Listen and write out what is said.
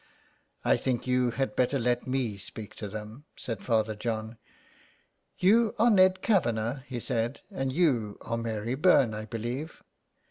'' I think you had better let me speak to them/* said Father John. *' You are Ned Kavanagh," he said, " and you are Mary Byrne, I believe.